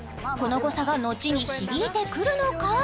この誤差がのちに響いてくるのか？